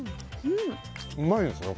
うまいですね。